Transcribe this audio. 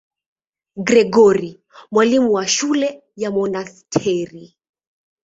Gregori, mwalimu wa shule ya monasteri.